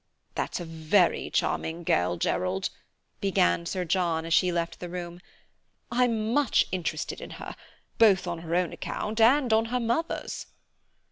"That's a very charming girl, Gerald," began Sir John as she left the room. "I'm much interested in her, both on her own account and on her mother's."